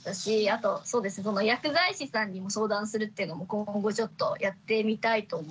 あとそうですね薬剤師さんにも相談するっていうのも今後ちょっとやってみたいと思います。